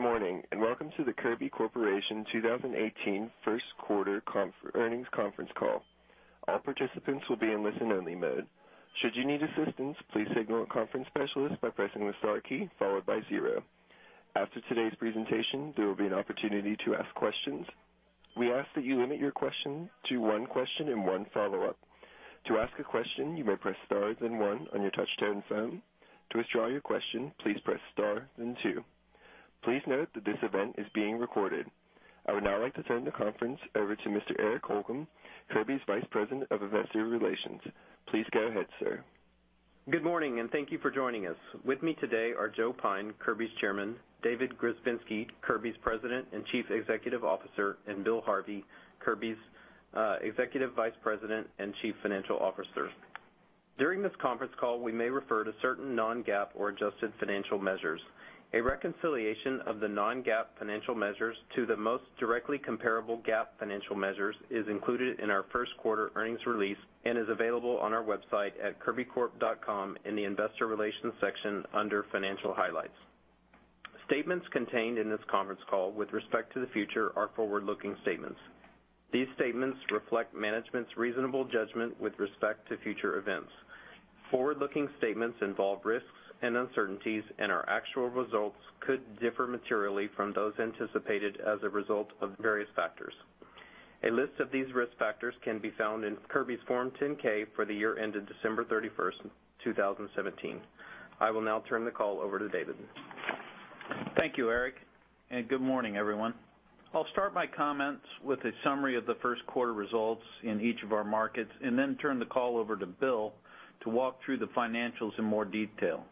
Good morning, and welcome to the Kirby Corporation 2018 first quarter earnings conference call. All participants will be in listen-only mode. Should you need assistance, please signal a conference specialist by pressing the star key followed by zero. After today's presentation, there will be an opportunity to ask questions. We ask that you limit your question to one question and one follow-up. To ask a question, you may press star, then one on your touch-tone phone. To withdraw your question, please press star, then two. Please note that this event is being recorded. I would now like to turn the conference over to Mr. Eric Holcomb, Kirby's Vice President of Investor Relations. Please go ahead, sir. Good morning, and thank you for joining us. With me today are Joe Pyne, Kirby's Chairman, David Grzebinski, Kirby's President and Chief Executive Officer, and Bill Harvey, Kirby's Executive Vice President and Chief Financial Officer. During this conference call, we may refer to certain non-GAAP or adjusted financial measures. A reconciliation of the non-GAAP financial measures to the most directly comparable GAAP financial measures is included in our first quarter earnings release and is available on our website at kirbycorp.com in the Investor Relations section under Financial Highlights. Statements contained in this conference call with respect to the future are forward-looking statements. These statements reflect management's reasonable judgment with respect to future events. Forward-looking statements involve risks and uncertainties, and our actual results could differ materially from those anticipated as a result of various factors. A list of these risk factors can be found in Kirby's Form 10-K for the year ended December 31st, 2017. I will now turn the call over to David. Thank you, Eric, and good morning, everyone. I'll start my comments with a summary of the first quarter results in each of our markets, and then turn the call over to Bill to walk through the financials in more detail.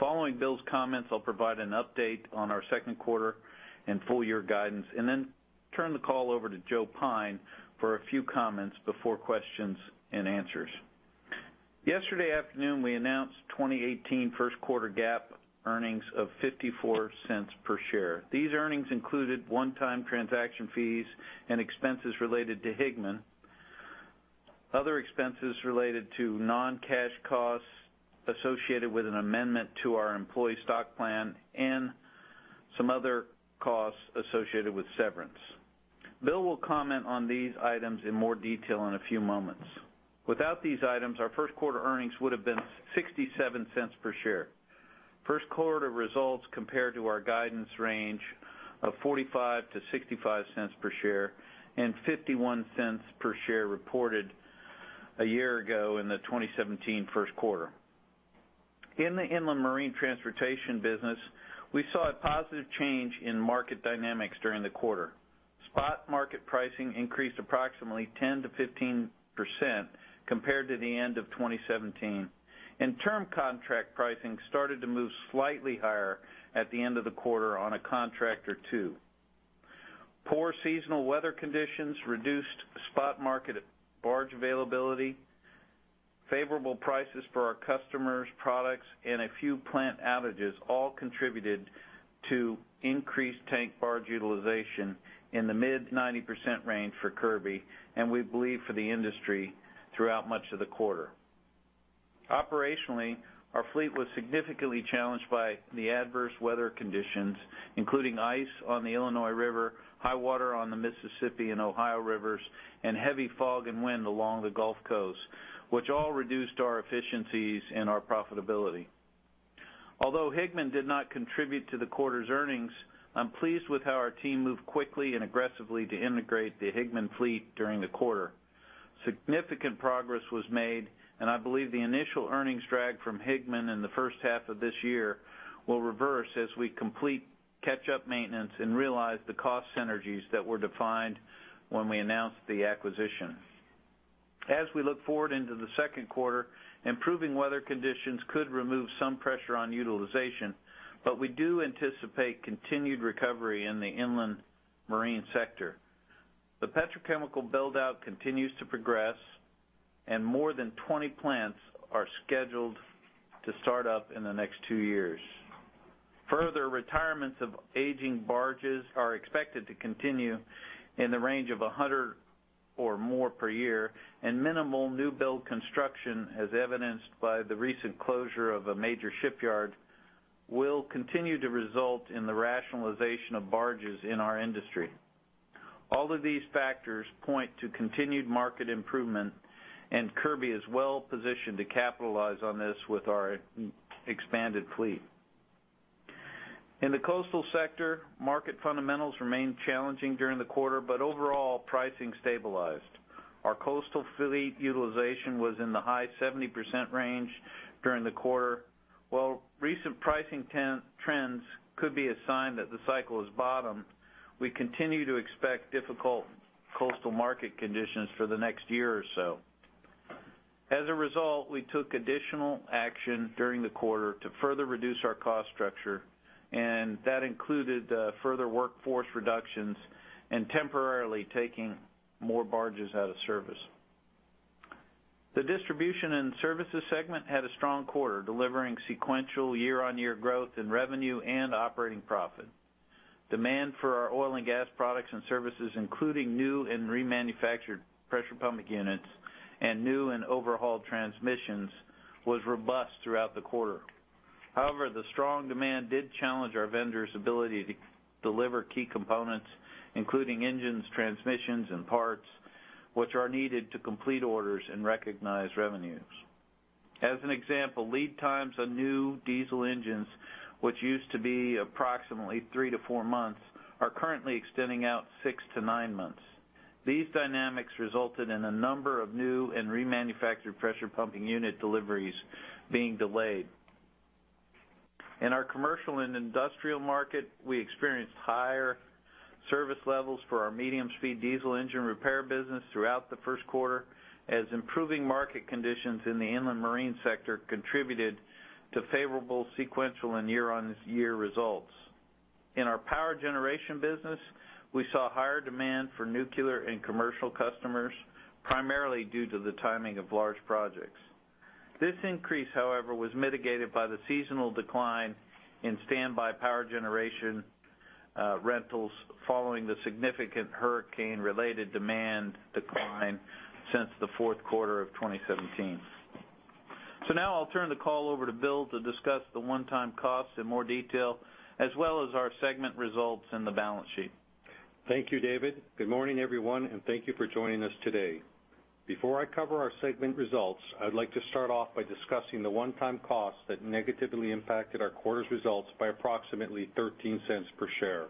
Following Bill's comments, I'll provide an update on our second quarter and full year guidance, and then turn the call over to Joe Pyne for a few comments before questions and answers. Yesterday afternoon, we announced 2018 first quarter GAAP earnings of $0.54 per share. These earnings included one-time transaction fees and expenses related to Higman, other expenses related to non-cash costs associated with an amendment to our employee stock plan, and some other costs associated with severance. Bill will comment on these items in more detail in a few moments. Without these items, our first quarter earnings would have been $0.67 per share. First quarter results compared to our guidance range of $0.45-$0.65 per share and $0.51 per share reported a year ago in the 2017 first quarter. In the inland marine transportation business, we saw a positive change in market dynamics during the quarter. Spot market pricing increased approximately 10%-15% compared to the end of 2017, and term contract pricing started to move slightly higher at the end of the quarter on a contract or two. Poor seasonal weather conditions reduced spot market barge availability, favorable prices for our customers' products, and a few plant outages all contributed to increased tank barge utilization in the mid-90% range for Kirby, and we believe for the industry throughout much of the quarter. Operationally, our fleet was significantly challenged by the adverse weather conditions, including ice on the Illinois River, high water on the Mississippi and Ohio River, and heavy fog and wind along the Gulf Coast, which all reduced our efficiencies and our profitability. Although Higman did not contribute to the quarter's earnings, I'm pleased with how our team moved quickly and aggressively to integrate the Higman fleet during the quarter. Significant progress was made, and I believe the initial earnings drag from Higman in the first half of this year will reverse as we complete catch-up maintenance and realize the cost synergies that were defined when we announced the acquisition. As we look forward into the second quarter, improving weather conditions could remove some pressure on utilization, but we do anticipate continued recovery in the inland marine sector. The petrochemical build-out continues to progress, and more than 20 plants are scheduled to start up in the next 2 years. Further, retirements of aging barges are expected to continue in the range of 100 or more per year, and minimal new build construction, as evidenced by the recent closure of a major shipyard, will continue to result in the rationalization of barges in our industry. All of these factors point to continued market improvement, and Kirby is well positioned to capitalize on this with our expanded fleet. In the coastal sector, market fundamentals remained challenging during the quarter, but overall, pricing stabilized. Our coastal fleet utilization was in the high 70% range during the quarter. While recent pricing trends could be a sign that the cycle has bottomed, we continue to expect difficult coastal market conditions for the next year or so. As a result, we took additional action during the quarter to further reduce our cost structure, and that included further workforce reductions and temporarily taking more barges out of service. The distribution and services segment had a strong quarter, delivering sequential year-over-year growth in revenue and operating profit. Demand for our oil and gas products and services, including new and remanufactured pressure pumping units and new and overhauled transmissions, was robust throughout the quarter. However, the strong demand did challenge our vendors' ability to deliver key components, including engines, transmissions, and parts, which are needed to complete orders and recognize revenues. As an example, lead times on new diesel engines, which used to be approximately three to four months, are currently extending out six to nine months. These dynamics resulted in a number of new and remanufactured pressure pumping unit deliveries being delayed. In our commercial and industrial market, we experienced higher service levels for our medium-speed diesel engine repair business throughout the first quarter, as improving market conditions in the inland marine sector contributed to favorable sequential and year-on-year results. In our power generation business, we saw higher demand for nuclear and commercial customers, primarily due to the timing of large projects. This increase, however, was mitigated by the seasonal decline in standby power generation rentals following the significant hurricane-related demand decline since the fourth quarter of 2017. So now I'll turn the call over to Bill to discuss the one-time costs in more detail, as well as our segment results and the balance sheet. Thank you, David. Good morning, everyone, and thank you for joining us today. Before I cover our segment results, I'd like to start off by discussing the one-time costs that negatively impacted our quarter's results by approximately $0.13 per share.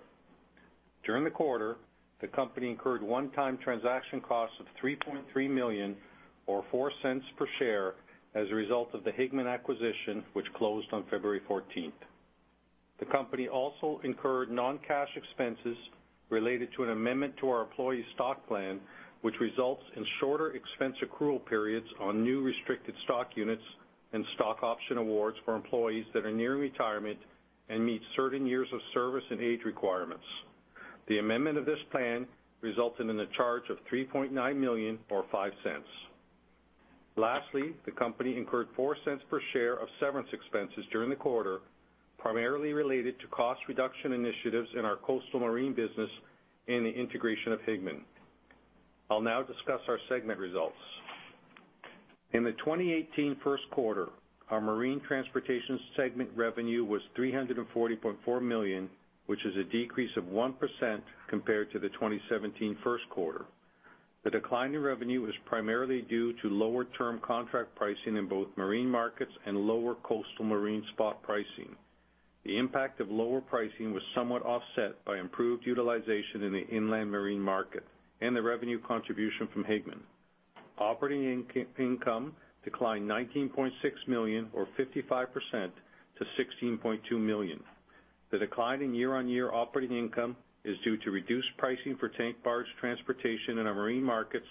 During the quarter, the company incurred one-time transaction costs of $3.3 million, or $0.04 per share, as a result of the Higman acquisition, which closed on February 14th. The company also incurred non-cash expenses related to an amendment to our employee stock plan, which results in shorter expense accrual periods on new restricted stock units and stock option awards for employees that are near retirement and meet certain years of service and age requirements. The amendment of this plan resulted in a charge of $3.9 million, or $0.05. Lastly, the company incurred $0.04 per share of severance expenses during the quarter, primarily related to cost reduction initiatives in our coastal marine business and the integration of Higman. I'll now discuss our segment results. In the 2018 first quarter, our marine transportation segment revenue was $340.4 million, which is a decrease of 1% compared to the 2017 first quarter. The decline in revenue was primarily due to lower term contract pricing in both marine markets and lower coastal marine spot pricing. The impact of lower pricing was somewhat offset by improved utilization in the inland marine market and the revenue contribution from Higman. Operating income declined $19.6 million, or 55%, to $16.2 million. The decline in year-on-year operating income is due to reduced pricing for tank barge transportation in our marine markets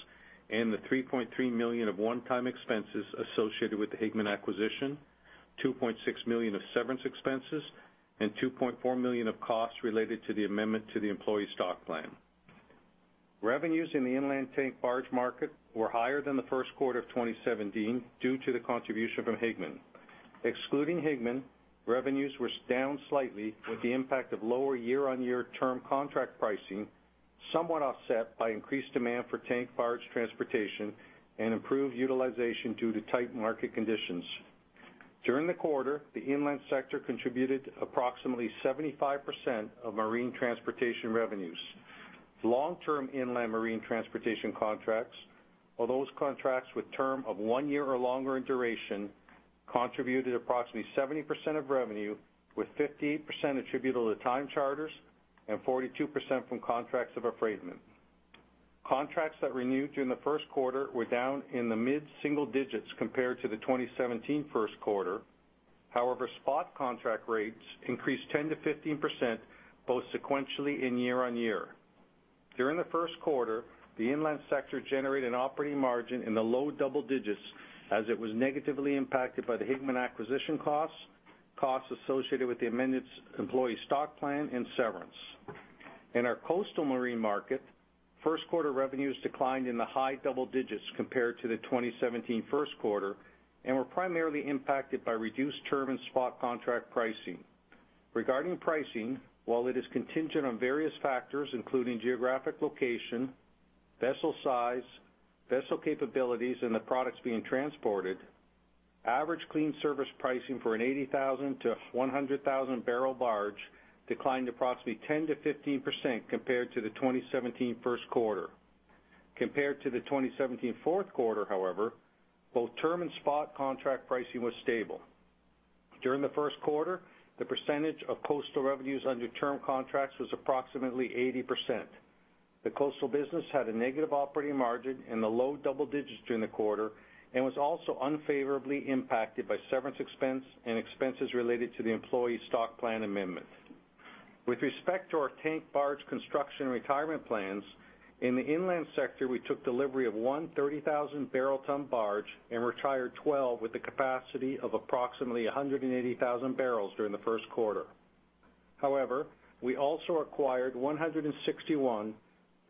and the $3.3 million of one-time expenses associated with the Higman acquisition, $2.6 million of severance expenses, and $2.4 million of costs related to the amendment to the employee stock plan. Revenues in the inland tank barge market were higher than the first quarter of 2017 due to the contribution from Higman. Excluding Higman, revenues were down slightly, with the impact of lower year-on-year term contract pricing, somewhat offset by increased demand for tank barge transportation and improved utilization due to tight market conditions. During the quarter, the inland sector contributed approximately 75% of marine transportation revenues. Long-term inland marine transportation contracts, or those contracts with term of one year or longer in duration, contributed approximately 70% of revenue, with 58% attributable to time charters and 42% from contracts of affreightment. Contracts that renewed during the first quarter were down in the mid-single digits compared to the 2017 first quarter. However, spot contract rates increased 10%-15%, both sequentially and year-on-year. During the first quarter, the inland sector generated an operating margin in the low double digits, as it was negatively impacted by the Higman acquisition costs, costs associated with the amended employee stock plan, and severance. In our coastal marine market, first quarter revenues declined in the high double digits compared to the 2017 first quarter and were primarily impacted by reduced term and spot contract pricing. Regarding pricing, while it is contingent on various factors, including geographic location, vessel size, vessel capabilities, and the products being transported, average clean service pricing for an 80,000- to 100,000-barrel barge declined approximately 10%-15% compared to the 2017 first quarter. Compared to the 2017 fourth quarter, however, both term and spot contract pricing was stable. During the first quarter, the percentage of coastal revenues under term contracts was approximately 80%. The coastal business had a negative operating margin in the low double digits during the quarter and was also unfavorably impacted by severance expense and expenses related to the employee stock plan amendment. With respect to our tank barge construction and retirement plans, in the inland sector, we took delivery of one 30,000-barrel tank barge and retired 12 with a capacity of approximately 180,000 barrels during the first quarter. However, we also acquired 161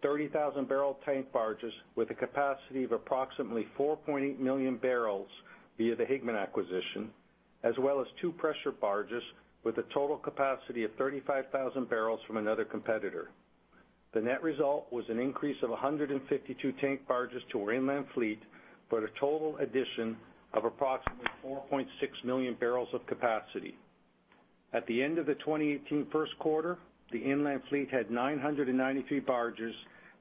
30,000-barrel tank barges with a capacity of approximately 4.8 million barrels via the Higman acquisition, as well as 2 pressure barges with a total capacity of 35,000 barrels from another competitor. The net result was an increase of 152 tank barges to our inland fleet, for a total addition of approximately 4.6 million barrels of capacity. At the end of the 2018 first quarter, the inland fleet had 993 barges,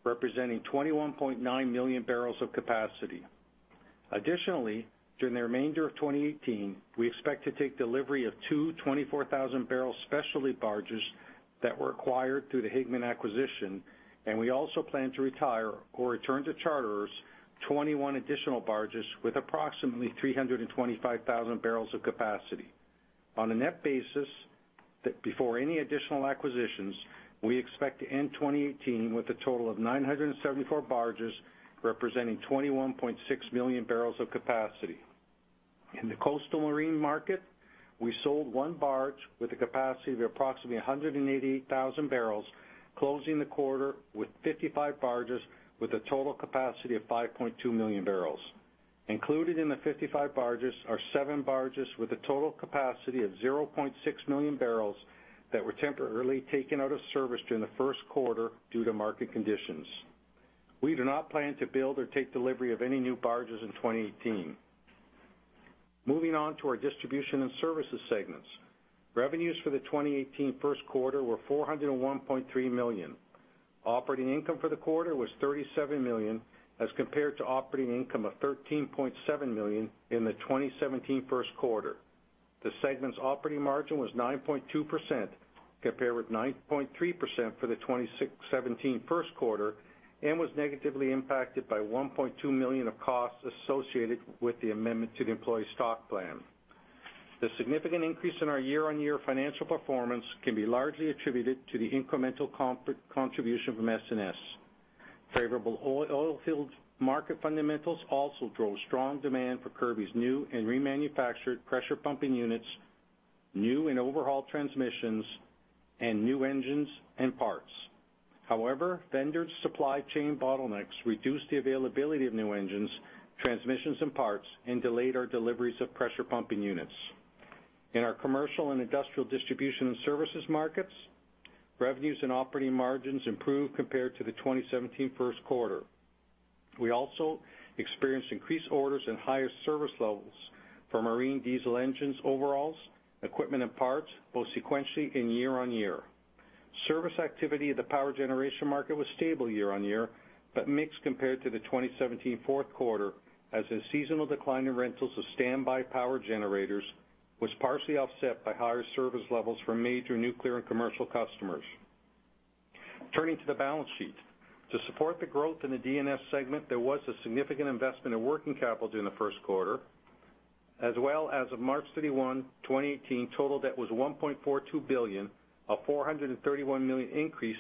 representing 21.9 million barrels of capacity. Additionally, during the remainder of 2018, we expect to take delivery of two 24,000-barrel specialty barges that were acquired through the Higman acquisition, and we also plan to retire or return to charterers 21 additional barges with approximately 325,000 barrels of capacity. On a net basis, that, before any additional acquisitions, we expect to end 2018 with a total of 974 barges, representing 21.6 million barrels of capacity. In the coastal marine market, we sold one barge with a capacity of approximately 188,000 barrels, closing the quarter with 55 barges, with a total capacity of 5.2 million barrels. Included in the 55 barges are seven barges with a total capacity of 0.6 million barrels that were temporarily taken out of service during the first quarter due to market conditions. We do not plan to build or take delivery of any new barges in 2018. Moving on to our distribution and services segments. Revenues for the 2018 first quarter were $401.3 million. Operating income for the quarter was $37 million, as compared to operating income of $13.7 million in the 2017 first quarter. The segment's operating margin was 9.2%, compared with 9.3% for the 2017 first quarter, and was negatively impacted by $1.2 million of costs associated with the amendment to the employee stock plan. The significant increase in our year-on-year financial performance can be largely attributed to the incremental contribution from S&S. Favorable oilfield market fundamentals also drove strong demand for Kirby's new and remanufactured pressure pumping units, new and overhauled transmissions, and new engines and parts. However, vendors' supply chain bottlenecks reduced the availability of new engines, transmissions and parts, and delayed our deliveries of pressure pumping units. In our commercial and industrial distribution and services markets, revenues and operating margins improved compared to the 2017 first quarter. We also experienced increased orders and higher service levels for marine diesel engines overhauls, equipment and parts, both sequentially and year-on-year. Service activity in the power generation market was stable year-on-year, but mixed compared to the 2017 fourth quarter, as a seasonal decline in rentals of standby power generators was partially offset by higher service levels from major nuclear and commercial customers. Turning to the balance sheet. To support the growth in the D&S segment, there was a significant investment in working capital during the first quarter, as well as. As of March 31, 2018, total debt was $1.42 billion, a $431 million increase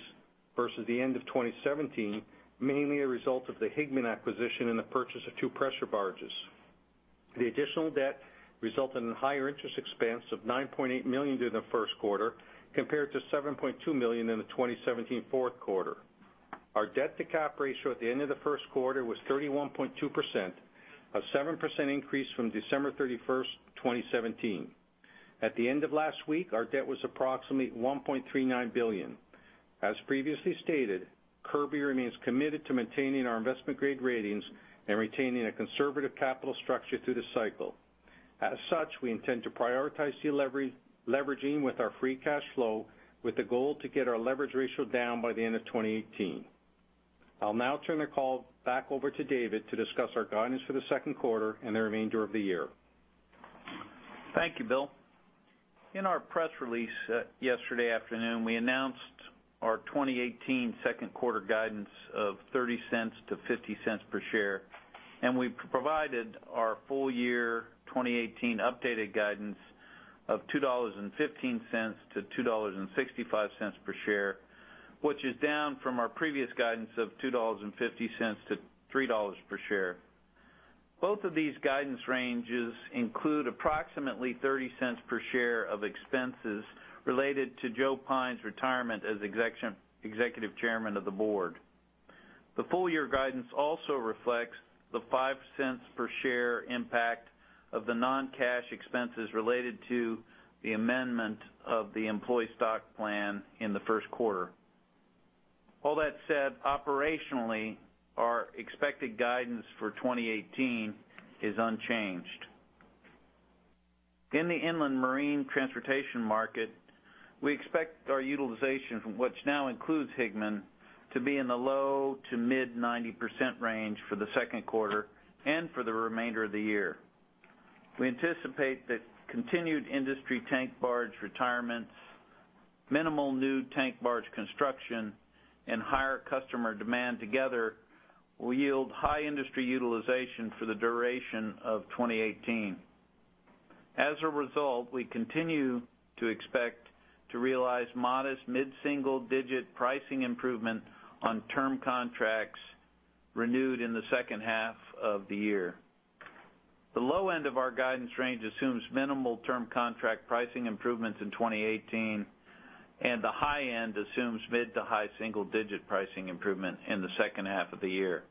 versus the end of 2017, mainly a result of the Higman acquisition and the purchase of two pressure barges. The additional debt resulted in higher interest expense of $9.8 million during the first quarter, compared to $7.2 million in the 2017 fourth quarter. Our debt-to-cap ratio at the end of the first quarter was 31.2%, a 7% increase from December 31, 2017. At the end of last week, our debt was approximately $1.39 billion. As previously stated, Kirby remains committed to maintaining our investment-grade ratings and retaining a conservative capital structure through this cycle. As such, we intend to prioritize deleveraging with our free cash flow, with the goal to get our leverage ratio down by the end of 2018. I'll now turn the call back over to David to discuss our guidance for the second quarter and the remainder of the year. Thank you, Bill. In our press release yesterday afternoon, we announced our 2018 second quarter guidance of $0.30-$0.50 per share, and we've provided our full-year 2018 updated guidance of $2.15-$2.65 per share, which is down from our previous guidance of $2.50-$3.00 per share. Both of these guidance ranges include approximately $0.30 per share of expenses related to Joe Pyne's retirement as executive, Executive Chairman of the Board. The full-year guidance also reflects the $0.05 per share impact of the non-cash expenses related to the amendment of the employee stock plan in the first quarter. All that said, operationally, our expected guidance for 2018 is unchanged. In the inland marine transportation market, we expect our utilization, which now includes Higman, to be in the low- to mid-90% range for the second quarter and for the remainder of the year. We anticipate that continued industry tank barge retirements, minimal new tank barge construction, and higher customer demand together will yield high industry utilization for the duration of 2018. As a result, we continue to expect to realize modest mid-single-digit pricing improvement on term contracts renewed in the second half of the year. The low end of our guidance range assumes minimal term contract pricing improvements in 2018, and the high end assumes mid- to high-single-digit pricing improvement in the second half of the year....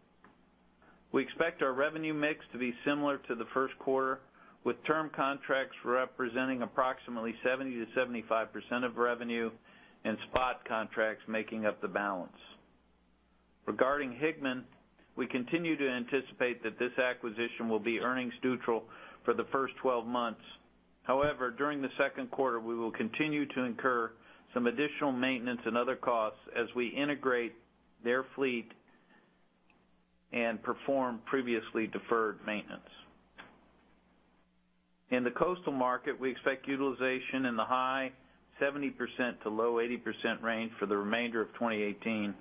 We expect our revenue mix to be similar to the first quarter, with term contracts representing approximately 70%-75% of revenue and spot contracts making up the balance. Regarding Higman, we continue to anticipate that this acquisition will be earnings neutral for the first 12 months. However, during the second quarter, we will continue to incur some additional maintenance and other costs as we integrate their fleet and perform previously deferred maintenance. In the coastal market, we expect utilization in the high 70% to low 80% range for the remainder of 2018.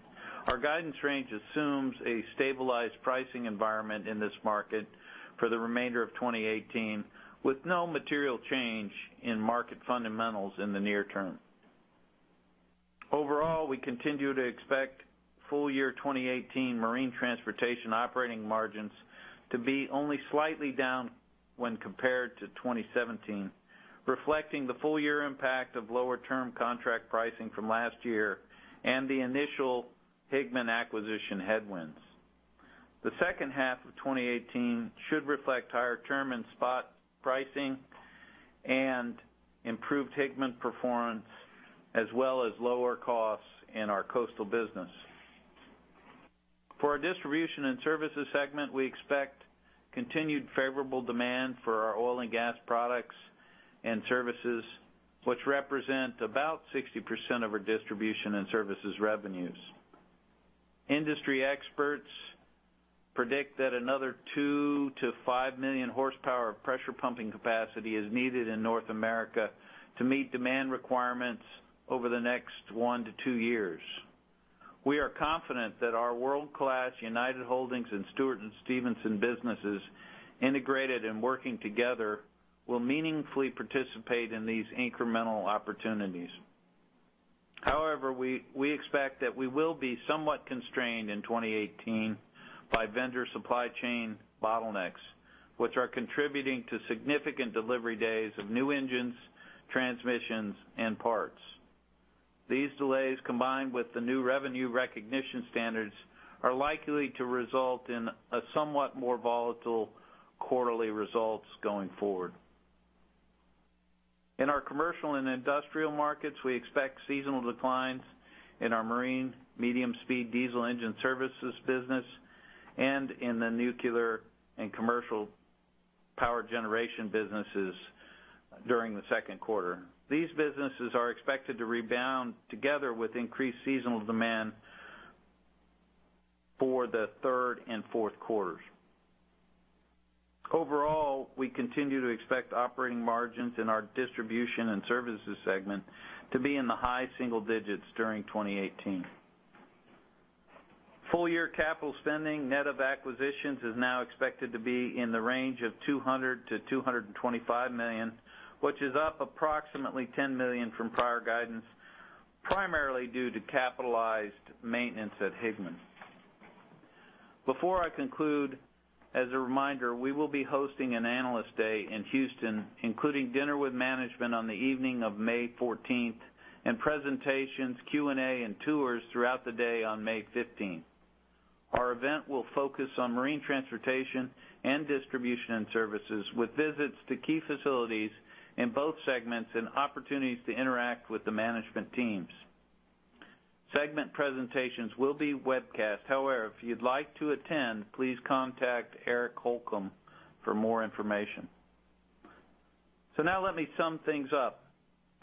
Our guidance range assumes a stabilized pricing environment in this market for the remainder of 2018, with no material change in market fundamentals in the near term. Overall, we continue to expect full-year 2018 marine transportation operating margins to be only slightly down when compared to 2017, reflecting the full-year impact of lower term contract pricing from last year and the initial Higman acquisition headwinds. The second half of 2018 should reflect higher term and spot pricing and improved Higman performance, as well as lower costs in our coastal business. For our distribution and services segment, we expect continued favorable demand for our oil and gas products and services, which represent about 60% of our distribution and services revenues. Industry experts predict that another 2-5 million horsepower of pressure pumping capacity is needed in North America to meet demand requirements over the next 1-2 years. We are confident that our world-class United Holdings and Stewart & Stevenson businesses, integrated and working together, will meaningfully participate in these incremental opportunities. However, we expect that we will be somewhat constrained in 2018 by vendor supply chain bottlenecks, which are contributing to significant delivery delays of new engines, transmissions, and parts. These delays, combined with the new revenue recognition standards, are likely to result in a somewhat more volatile quarterly results going forward. In our commercial and industrial markets, we expect seasonal declines in our marine, medium-speed diesel engine services business and in the nuclear and commercial power generation businesses during the second quarter. These businesses are expected to rebound together with increased seasonal demand for the third and fourth quarters. Overall, we continue to expect operating margins in our distribution and services segment to be in the high single digits during 2018. Full-year capital spending, net of acquisitions, is now expected to be in the range of $200 million-$225 million, which is up approximately $10 million from prior guidance, primarily due to capitalized maintenance at Higman. Before I conclude, as a reminder, we will be hosting an Analyst Day in Houston, including dinner with management on the evening of May 14, and presentations, Q&A, and tours throughout the day on May 15. Our event will focus on marine transportation and distribution and services, with visits to key facilities in both segments and opportunities to interact with the management teams. Segment presentations will be webcast. However, if you'd like to attend, please contact Eric Holcomb for more information. So now let me sum things up.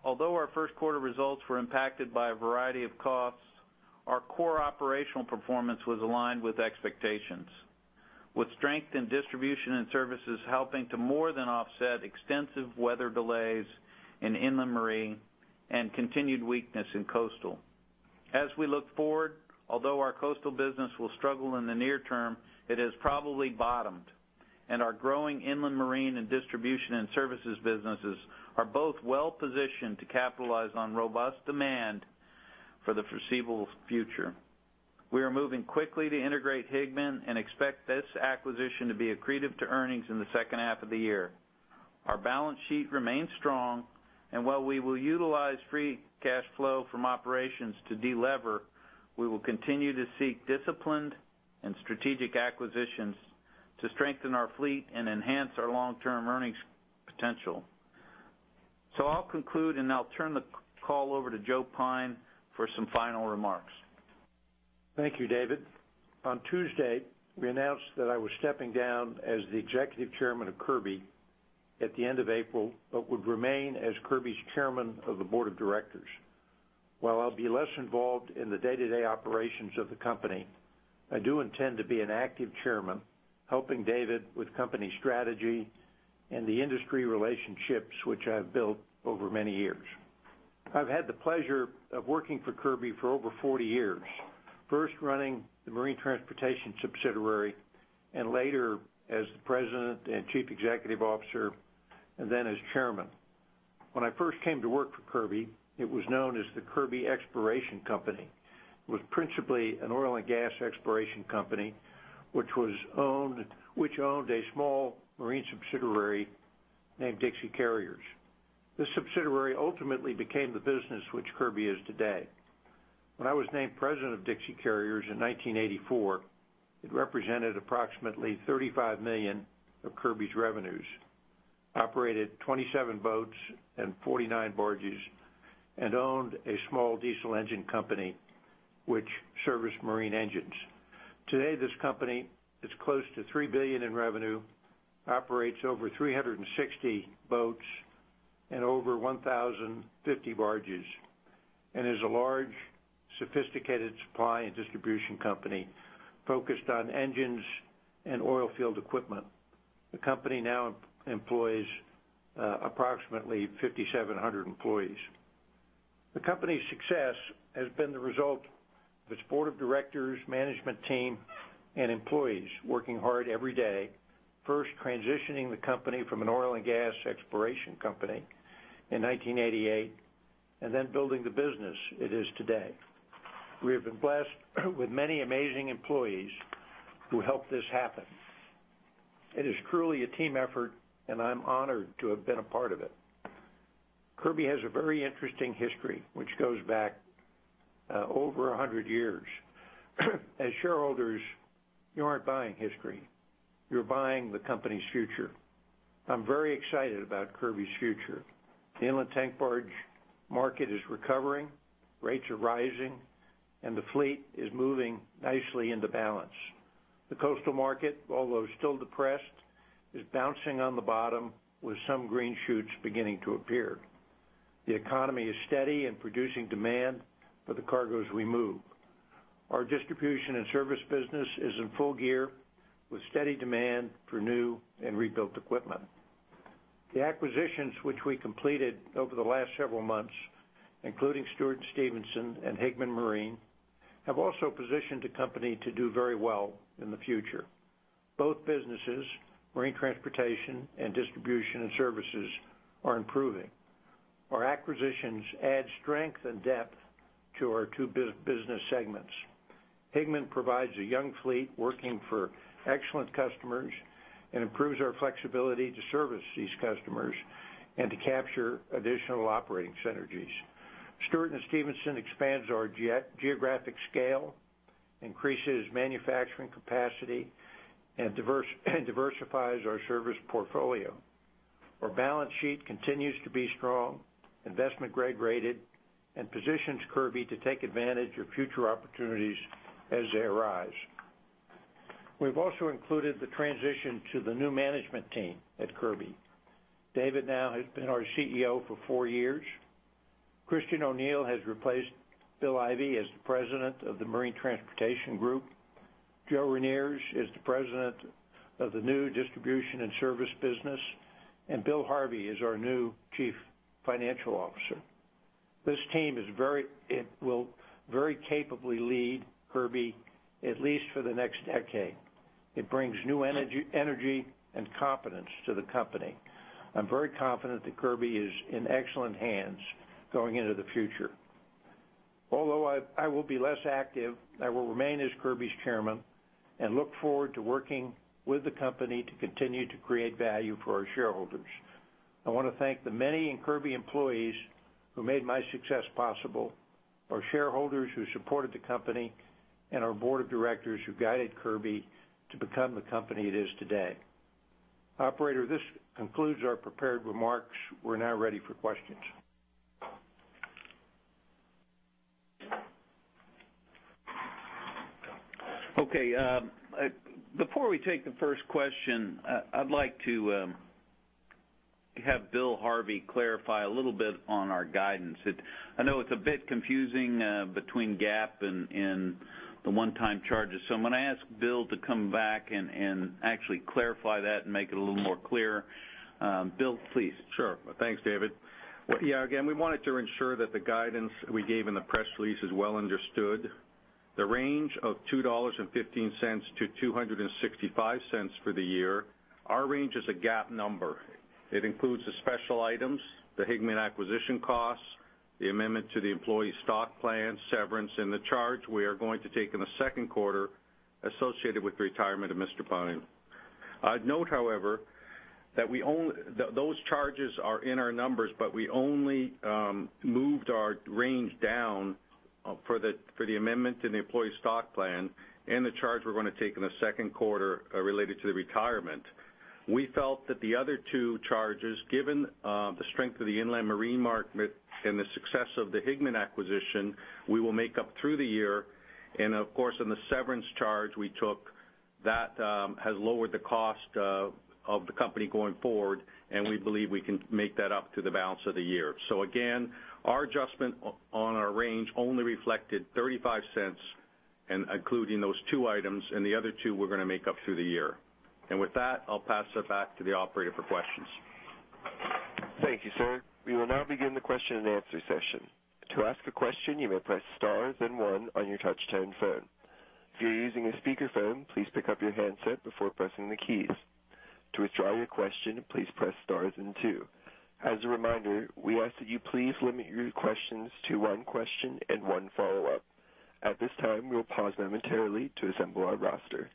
Although our first quarter results were impacted by a variety of costs, our core operational performance was aligned with expectations, with strength in distribution and services helping to more than offset extensive weather delays in inland marine and continued weakness in coastal. As we look forward, although our coastal business will struggle in the near term, it has probably bottomed, and our growing inland marine and distribution and services businesses are both well positioned to capitalize on robust demand for the foreseeable future. We are moving quickly to integrate Higman and expect this acquisition to be accretive to earnings in the second half of the year. Our balance sheet remains strong, and while we will utilize free cash flow from operations to delever, we will continue to seek disciplined and strategic acquisitions to strengthen our fleet and enhance our long-term earnings potential. I'll conclude, and I'll turn the call over to Joe Pyne for some final remarks. Thank you, David. On Tuesday, we announced that I was stepping down as the Executive Chairman of Kirby at the end of April, but would remain as Kirby's Chairman of the Board of Directors. While I'll be less involved in the day-to-day operations of the company, I do intend to be an active chairman, helping David with company strategy and the industry relationships which I've built over many years. I've had the pleasure of working for Kirby for over forty years, first running the marine transportation subsidiary and later as the President and Chief Executive Officer, and then as Chairman. When I first came to work for Kirby, it was known as the Kirby Exploration Company. It was principally an oil and gas exploration company, which owned a small marine subsidiary named Dixie Carriers. This subsidiary ultimately became the business which Kirby is today.... When I was named President of Dixie Carriers in 1984, it represented approximately $35 million of Kirby's revenues, operated 27 boats and 49 barges, and owned a small diesel engine company, which serviced marine engines. Today, this company is close to $3 billion in revenue, operates over 360 boats and over 1,050 barges, and is a large, sophisticated supply and distribution company focused on engines and oil field equipment. The company now employs approximately 5,700 employees. The company's success has been the result of its board of directors, management team, and employees working hard every day, first transitioning the company from an oil and gas exploration company in 1988, and then building the business it is today. We have been blessed with many amazing employees who helped this happen. It is truly a team effort, and I'm honored to have been a part of it. Kirby has a very interesting history, which goes back over 100 years. As shareholders, you aren't buying history, you're buying the company's future. I'm very excited about Kirby's future. The inland tank barge market is recovering, rates are rising, and the fleet is moving nicely into balance. The coastal market, although still depressed, is bouncing on the bottom with some green shoots beginning to appear. The economy is steady and producing demand for the cargos we move. Our distribution and services business is in full gear, with steady demand for new and rebuilt equipment. The acquisitions which we completed over the last several months, including Stewart & Stevenson and Higman Marine, have also positioned the company to do very well in the future. Both businesses, marine transportation and distribution and services, are improving. Our acquisitions add strength and depth to our two business segments. Higman provides a young fleet working for excellent customers and improves our flexibility to service these customers and to capture additional operating synergies. Stewart & Stevenson expands our geographic scale, increases manufacturing capacity, and diversifies our service portfolio. Our balance sheet continues to be strong, investment-grade rated, and positions Kirby to take advantage of future opportunities as they arise. We've also included the transition to the new management team at Kirby. David now has been our CEO for four years. Christian O'Neil has replaced Will Ivey as the President of the Marine Transportation Group. Joe Reniers is the President of the new distribution and service business, and Bill Harvey is our new Chief Financial Officer. This team will very capably lead Kirby, at least for the next decade. It brings new energy and confidence to the company. I'm very confident that Kirby is in excellent hands going into the future. Although I will be less active, I will remain as Kirby's Chairman and look forward to working with the company to continue to create value for our shareholders. I want to thank the many Kirby employees who made my success possible, our shareholders who supported the company, and our board of directors who guided Kirby to become the company it is today. Operator, this concludes our prepared remarks. We're now ready for questions. Okay, before we take the first question, I'd like to have Bill Harvey clarify a little bit on our guidance. I know it's a bit confusing between GAAP and the one-time charges. So I'm gonna ask Bill to come back and actually clarify that and make it a little more clear. Bill, please. Sure. Thanks, David. Well, yeah, again, we wanted to ensure that the guidance we gave in the press release is well understood. The range of $2.15-$2.65 for the year, our range is a GAAP number. It includes the special items, the Higman acquisition costs, the amendment to the employee stock plan, severance, and the charge we are going to take in the second quarter associated with the retirement of Mr. Pyne. I'd note, however, that those charges are in our numbers, but we only moved our range down for the amendment to the employee stock plan and the charge we're gonna take in the second quarter related to the retirement. We felt that the other two charges, given the strength of the inland marine market and the success of the Higman acquisition, we will make up through the year. And of course, on the severance charge we took, that has lowered the cost of the company going forward, and we believe we can make that up to the balance of the year. So again, our adjustment on our range only reflected $0.35, and including those two items, and the other two we're gonna make up through the year. And with that, I'll pass it back to the operator for questions. Thank you, sir. We will now begin the question and answer session. To ask a question, you may press star then one on your touch tone phone. If you're using a speakerphone, please pick up your handset before pressing the keys. To withdraw your question, please press star and two. As a reminder, we ask that you please limit your questions to one question and one follow-up. At this time, we will pause momentarily to assemble our roster....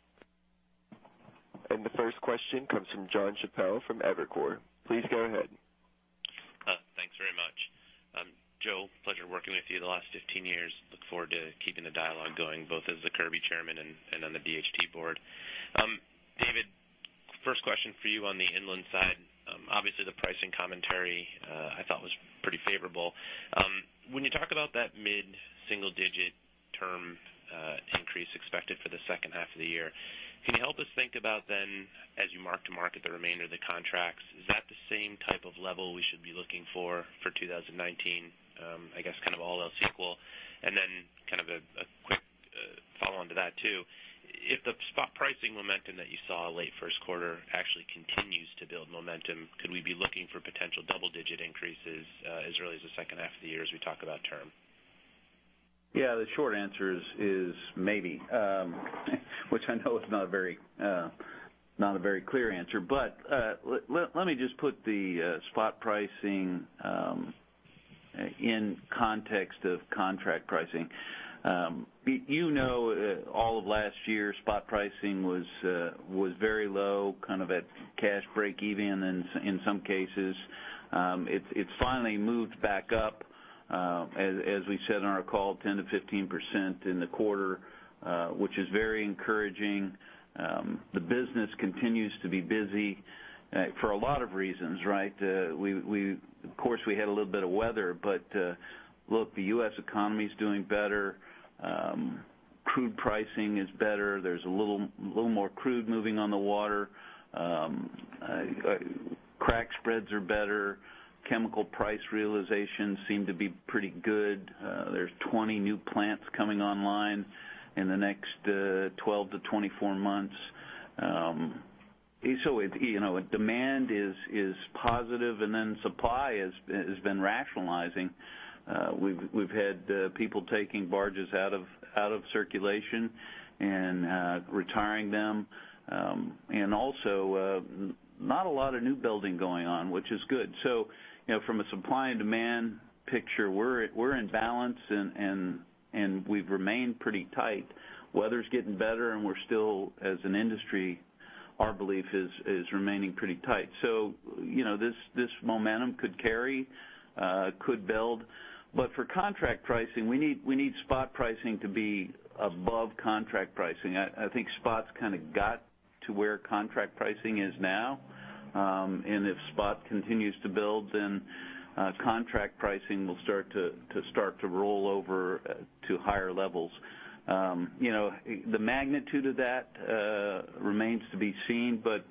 Our next question comes from John Chappell from Evercore. Please go ahead. Thanks very much. Joe, pleasure working with you the last 15 years. Look forward to keeping the dialogue going, both as the Kirby Chairman and, and on the DHT board. David, first question for you on the inland side. Obviously, the pricing commentary, I thought was pretty favorable. When you talk about that mid-single digit term, increase expected for the second half of the year, can you help us think about then, as you mark-to-market the remainder of the contracts, is that the same type of level we should be looking for, for 2019? I guess, kind of all else equal. And then kind of a quick, follow-on to that, too. If the spot pricing momentum that you saw late first quarter actually continues to build momentum, could we be looking for potential double-digit increases as early as the second half of the year as we talk about term? Yeah, the short answer is maybe. Which I know is not a very, not a very clear answer. But, let me just put the spot pricing in context of contract pricing. You know, all of last year, spot pricing was very low, kind of at cash breakeven in some cases. It's finally moved back up, as we said on our call, 10%-15% in the quarter, which is very encouraging. The business continues to be busy for a lot of reasons, right? Of course, we had a little bit of weather, but, look, the U.S. economy's doing better. Crude pricing is better. There's a little more crude moving on the water. Crack spreads are better. Chemical price realizations seem to be pretty good. There's 20 new plants coming online in the next 12-24 months. So it, you know, demand is positive, and then supply has been rationalizing. We've had people taking barges out of circulation and retiring them. And also, not a lot of new building going on, which is good. So, you know, from a supply and demand picture, we're in balance, and we've remained pretty tight. Weather's getting better, and we're still, as an industry, our belief is remaining pretty tight. So, you know, this momentum could carry, could build. But for contract pricing, we need spot pricing to be above contract pricing. I think spot's kind of got to where contract pricing is now. And if spot continues to build, then contract pricing will start to roll over to higher levels. You know, the magnitude of that remains to be seen, but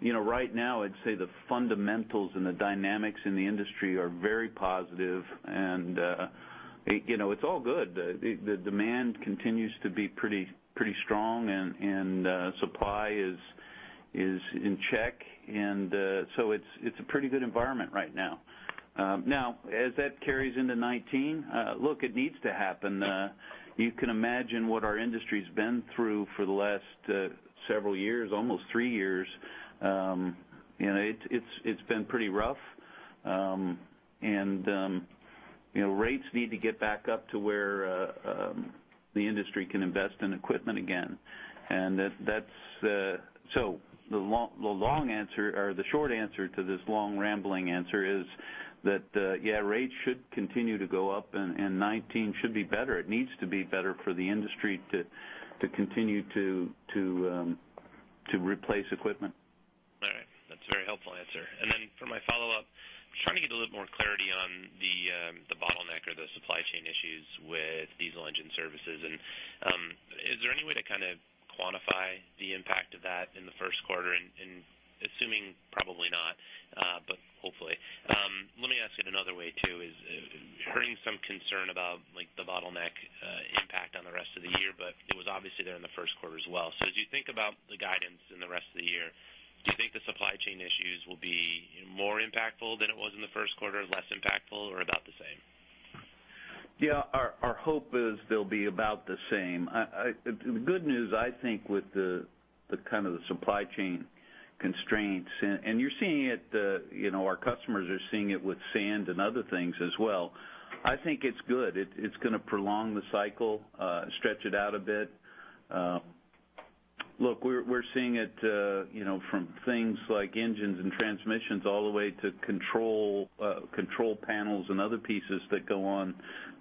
you know, right now, I'd say the fundamentals and the dynamics in the industry are very positive. And you know, it's all good. The demand continues to be pretty strong, and supply is in check, and so it's a pretty good environment right now. Now, as that carries into 2019, look, it needs to happen. You can imagine what our industry's been through for the last several years, almost three years. You know, it's been pretty rough. And you know, rates need to get back up to where the industry can invest in equipment again. And that's the long answer or the short answer to this long, rambling answer is that, yeah, rates should continue to go up, and 2019 should be better. It needs to be better for the industry to continue to replace equipment. All right. That's a very helpful answer. And then for my follow-up, just trying to get a little more clarity on the, the bottleneck or the supply chain issues with diesel engine services. And, is there any way to kind of quantify the impact of that in the first quarter? And, and assuming probably not, but hopefully. Let me ask it another way, too, is- Sure. Hearing some concern about, like, the bottleneck impact on the rest of the year, but it was obviously there in the first quarter as well. So as you think about the guidance in the rest of the year, do you think the supply chain issues will be more impactful than it was in the first quarter, less impactful, or about the same? Yeah. Our hope is they'll be about the same. The good news, I think, with the kind of supply chain constraints, and you're seeing it, you know, our customers are seeing it with sand and other things as well. I think it's good. It's gonna prolong the cycle, stretch it out a bit. Look, we're seeing it, you know, from things like engines and transmissions all the way to control panels and other pieces that go on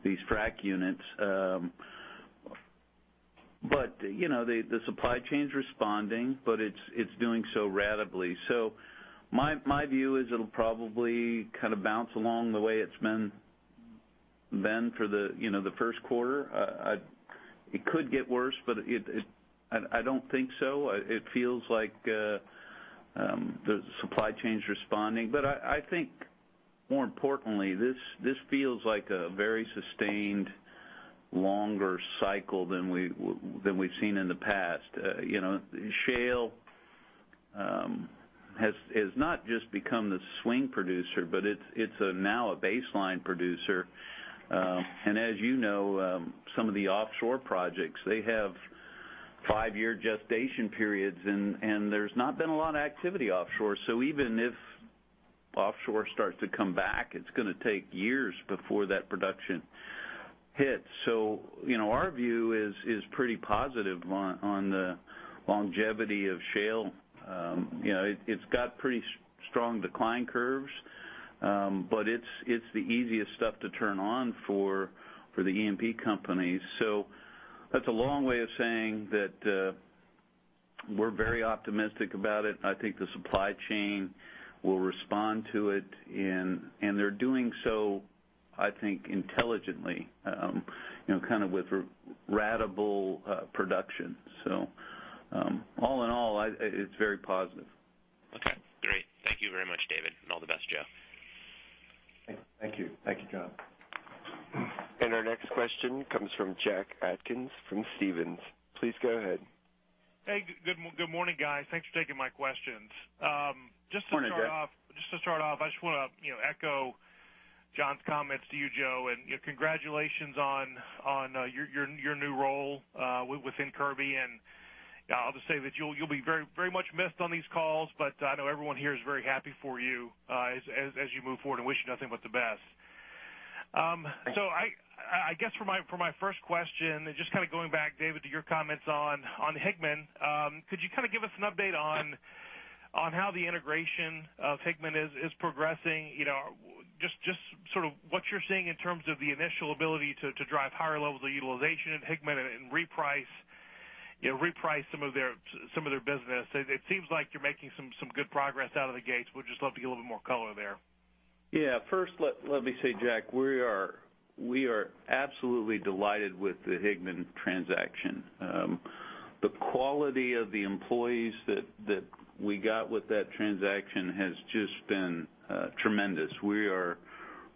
these frack units. But, you know, the supply chain's responding, but it's doing so ratably. So my view is it'll probably kind of bounce along the way it's been for the, you know, the first quarter. It could get worse, but it—I don't think so. It feels like the supply chain's responding. But I think more importantly, this feels like a very sustained, longer cycle than we've seen in the past. You know, shale has not just become the swing producer, but it's now a baseline producer. And as you know, some of the offshore projects, they have five-year gestation periods, and there's not been a lot of activity offshore. So even if offshore starts to come back, it's going to take years before that production hits. So, you know, our view is pretty positive on the longevity of shale. You know, it's got pretty strong decline curves, but it's the easiest stuff to turn on for the E&P companies. So that's a long way of saying that, we're very optimistic about it. I think the supply chain will respond to it, and, and they're doing so, I think, intelligently, you know, kind of with ratable, production. So, all in all, I it's very positive. Okay, great. Thank you very much, David, and all the best, Joe. Thank you. Thank you, John. Our next question comes from Jack Atkins, from Stephens. Please go ahead. Hey, good morning, guys. Thanks for taking my questions. Just to start off- Morning, Jack. Just to start off, I just want to, you know, echo John's comments to you, Joe, and, you know, congratulations on your new role within Kirby. I'll just say that you'll be very much missed on these calls, but I know everyone here is very happy for you as you move forward, and wish you nothing but the best. Thank you. So I guess for my first question, just kind of going back, David, to your comments on Higman, could you kind of give us an update on how the integration of Higman is progressing? You know, just sort of what you're seeing in terms of the initial ability to drive higher levels of utilization at Higman and reprice, you know, reprice some of their business. It seems like you're making some good progress out of the gates. Would just love to get a little more color there. Yeah. First, let me say, Jack, we are absolutely delighted with the Higman transaction. The quality of the employees that we got with that transaction has just been tremendous. We are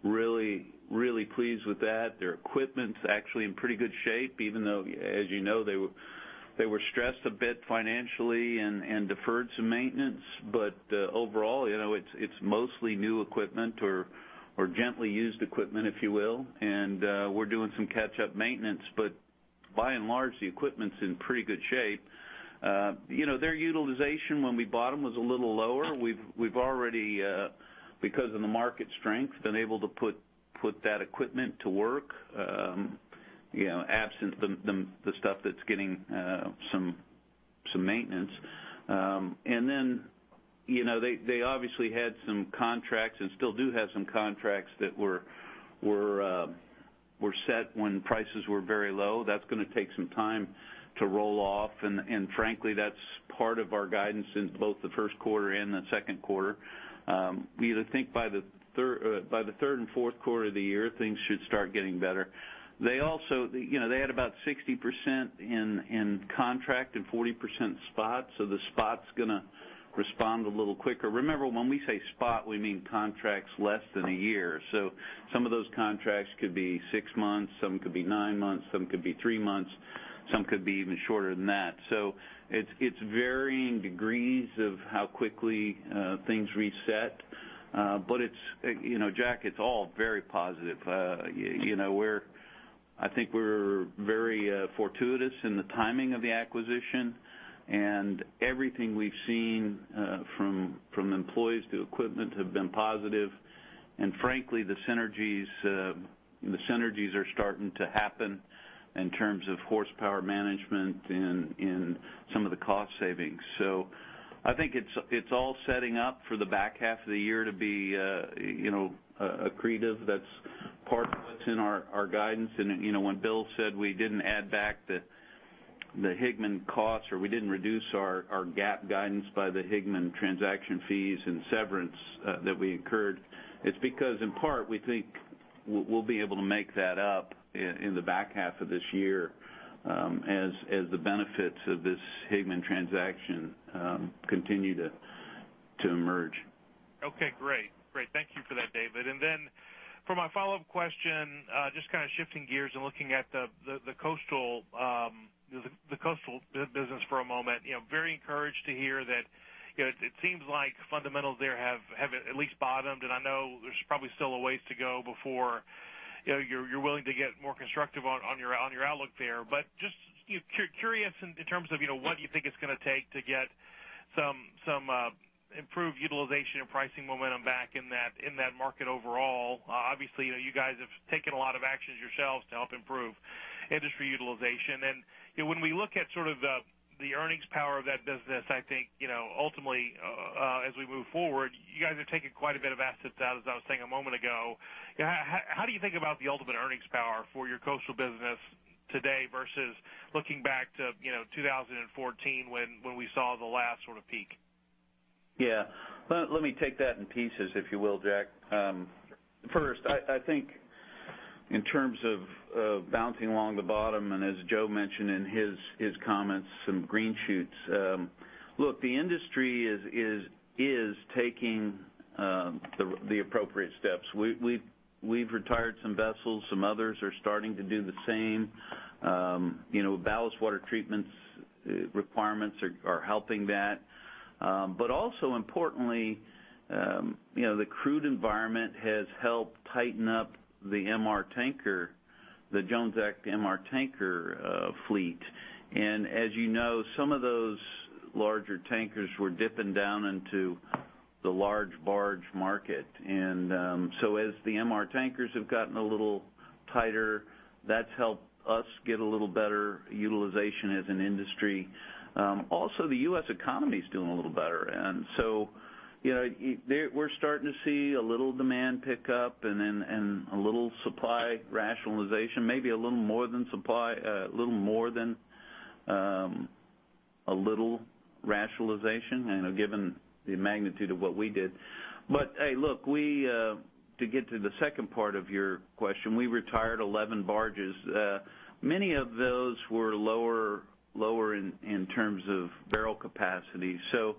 really, really pleased with that. Their equipment's actually in pretty good shape, even though, as you know, they were stressed a bit financially and deferred some maintenance. But overall, you know, it's mostly new equipment or gently used equipment, if you will, and we're doing some catch-up maintenance. But by and large, the equipment's in pretty good shape. You know, their utilization, when we bought them, was a little lower. We've already, because of the market strength, been able to put that equipment to work, you know, absent the stuff that's getting some maintenance. And then, you know, they obviously had some contracts and still do have some contracts that were set when prices were very low. That's going to take some time to roll off, and frankly, that's part of our guidance in both the first quarter and the second quarter. We either think by the third and fourth quarter of the year, things should start getting better. They also... You know, they had about 60% in contract and 40% spot, so the spot's going to respond a little quicker. Remember, when we say spot, we mean contracts less than a year. So some of those contracts could be six months, some could be nine months, some could be three months, some could be even shorter than that. So it's varying degrees of how quickly things reset, but it's, you know, Jack, it's all very positive. You know, we're, I think we're very fortuitous in the timing of the acquisition, and everything we've seen, from employees to equipment, have been positive. And frankly, the synergies, the synergies are starting to happen in terms of horsepower management and in some of the cost savings. So I think it's, it's all setting up for the back half of the year to be, you know, accretive. That's part of what's in our guidance. You know, when Bill said we didn't add back the Higman costs, or we didn't reduce our GAAP guidance by the Higman transaction fees and severance that we incurred, it's because, in part, we think we'll be able to make that up in the back half of this year, as the benefits of this Higman transaction continue to emerge. Okay, great. Great. Thank you for that, David. And then for my follow-up question, just kind of shifting gears and looking at the coastal business for a moment. You know, very encouraged to hear that, you know, it seems like fundamentals there have at least bottomed. And I know there's probably still a ways to go before, you know, you're willing to get more constructive on your outlook there. But just curious in terms of, you know, what do you think it's going to take to get some improved utilization and pricing momentum back in that market overall? Obviously, you guys have taken a lot of actions yourselves to help improve industry utilization. You know, when we look at sort of the earnings power of that business, I think, you know, ultimately, as we move forward, you guys are taking quite a bit of assets out, as I was saying a moment ago. How do you think about the ultimate earnings power for your coastal business today versus looking back to 2014, when we saw the last sort of peak? Yeah. Let me take that in pieces, if you will, Jack. First, I think in terms of bouncing along the bottom, and as Joe mentioned in his comments, some green shoots. Look, the industry is taking the appropriate steps. We've retired some vessels, some others are starting to do the same. You know, ballast water treatments requirements are helping that. But also importantly, you know, the crude environment has helped tighten up the MR tanker... the Jones Act MR tanker fleet. And as you know, some of those larger tankers were dipping down into the large barge market. And so as the MR tankers have gotten a little tighter, that's helped us get a little better utilization as an industry. Also, the U.S. economy is doing a little better, and so, you know, it, we're starting to see a little demand pick up and then a little supply rationalization, maybe a little more than supply, a little more than a little rationalization, you know, given the magnitude of what we did. But, hey, look, we, to get to the second part of your question, we retired 11 barges. Many of those were lower in terms of barrel capacity. So,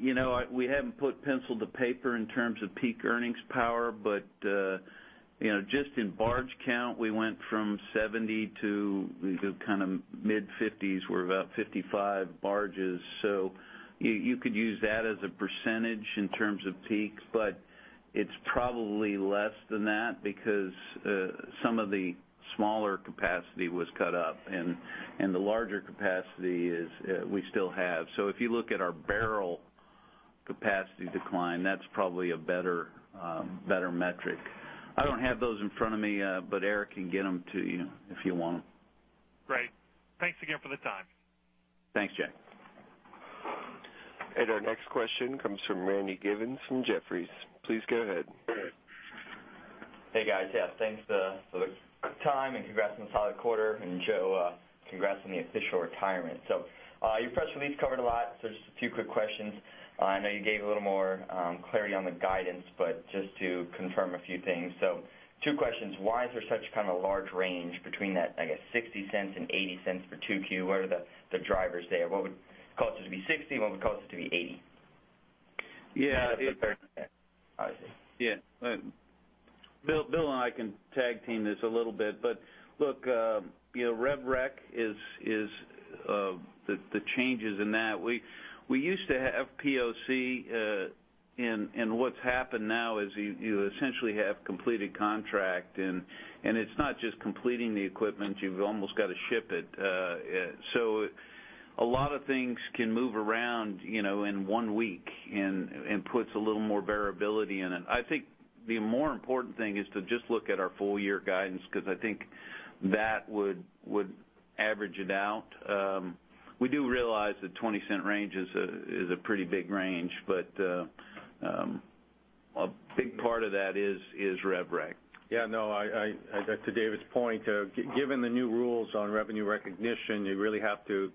you know, we haven't put pencil to paper in terms of peak earnings power, but, you know, just in barge count, we went from 70 to the kind of mid-50s. We're about 55 barges. So you could use that as a percentage in terms of peaks, but it's probably less than that because some of the smaller capacity was cut up, and the larger capacity is we still have. So if you look at our barrel capacity decline, that's probably a better, better metric. I don't have those in front of me, but Eric can get them to you if you want them. Great. Thanks again for the time. Thanks, Jack. Our next question comes from Randy Givens from Jefferies. Please go ahead. Hey, guys. Yeah, thanks for the time, and congrats on the solid quarter. And, Joe, congrats on the official retirement. So, your press release covered a lot, so just a few quick questions. I know you gave a little more clarity on the guidance, but just to confirm a few things. So two questions: Why is there such kind of a large range between that, I guess, $0.60 and $0.80 for 2Q? What are the drivers there? What would cause it to be $0.60, and what would cause it to be $0.80? Yeah. Yeah. Bill, Bill and I can tag team this a little bit. But look, you know, rev rec is the changes in that. We used to have POC, and what's happened now is you essentially have completed contract, and it's not just completing the equipment, you've almost got to ship it. So a lot of things can move around, you know, in one week and puts a little more variability in it. I think the more important thing is to just look at our full year guidance, because I think that would average it out. We do realize the 20-cent range is a pretty big range, but a big part of that is rev rec. Yeah. No, I to David's point, given the new rules on revenue recognition, you really have to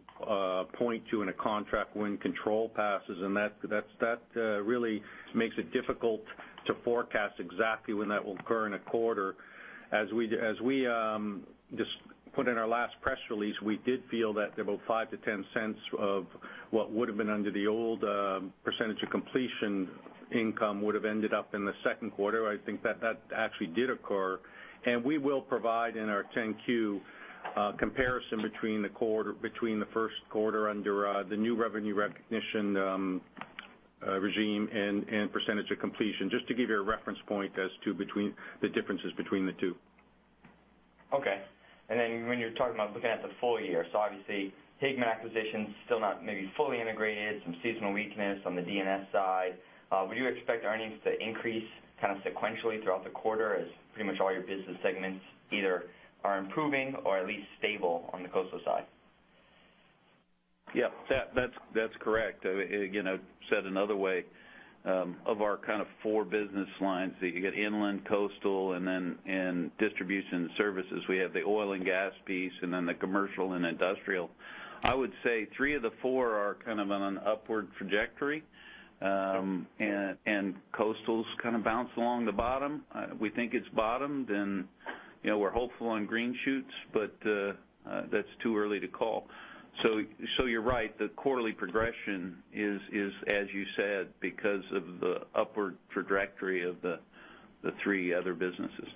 point to in a contract when control passes, and that's really makes it difficult to forecast exactly when that will occur in a quarter. As we just put in our last press release, we did feel that about $0.05-$0.10 of what would have been under the old percentage of completion income would have ended up in the second quarter. I think that actually did occur, and we will provide in our 10-Q comparison between the first quarter under the new revenue recognition regime and percentage of completion, just to give you a reference point as to the differences between the two. Okay. And then when you're talking about looking at the full year, so obviously, Higman acquisition still not maybe fully integrated, some seasonal weakness on the D&S side. Would you expect earnings to increase kind of sequentially throughout the quarter, as pretty much all your business segments either are improving or at least stable on the coastal side? Yeah, that's correct. Again, said another way, of our kind of four business lines, so you get inland, coastal, and distribution services. We have the oil and gas piece, and then the commercial and industrial. I would say three of the four are kind of on an upward trajectory, and coastal's kind of bounced along the bottom. We think it's bottomed, and, you know, we're hopeful on green shoots, but that's too early to call. You're right, the quarterly progression is, as you said, because of the upward trajectory of the three other businesses.